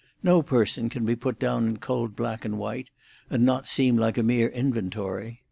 No person can be put down in cold black and white, and not seem like a mere inventory.